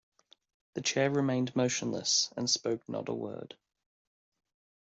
The chair remained motionless, and spoke not a word.